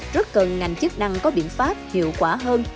rất cần ngành chức năng có biện pháp hiệu quả hơn